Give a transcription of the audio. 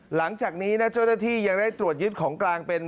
หลังจากนี้นะเจ้าหน้าที่ยังได้ตรวจยึดของกลางเป็น